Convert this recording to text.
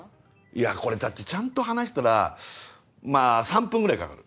いやこれちゃんと話したらまぁ３分ぐらいかかる。